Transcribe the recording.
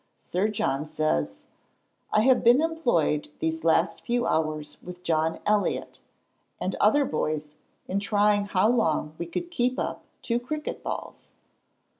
Sir John says: "I have been employed these last few hours with John Elliot, and other boys, in trying how long we could keep up two cricket balls.